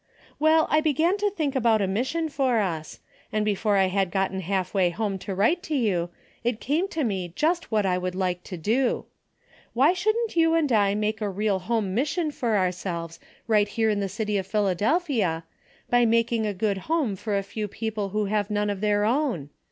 Well, I began to think about a mission for us, and before I had gotten half way home to write to you it came to me just what I would like to do. Why A DAILY RATEA'' 103 shouldn't you and I make a real home mission for ourselves right here in the city of Phila delphia, by making a good home for a few people who have none of their own?